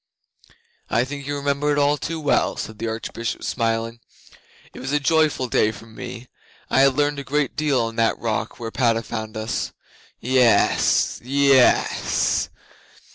'I think you remember it all too well,' said the Archbishop, smiling. 'It was a joyful day for me. I had learned a great deal on that rock where Padda found us. Yes yess!